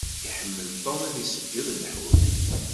Iḥemmel Tom ad d-iṣeyyed lḥut.